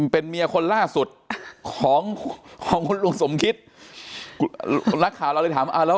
เป็นเมียคนล่าสุดของคุณลูกสมคิตนักข่าวเราเลยถาม